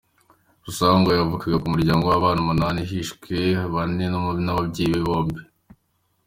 Busangwa yavukaga mu muryango w’abana umunani, hishwe bane n’ababyeyi be bombi.